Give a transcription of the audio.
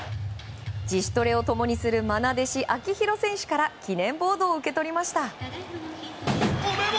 自主トレを共にする愛弟子秋広選手から記念ボードを受け取りました。